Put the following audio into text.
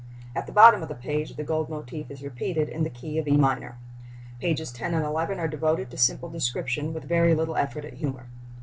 At the bottom of the page the gold motif is repeated in the key of E minor. Pages 10 and 11 are devoted to simple description, with very little effort at humor.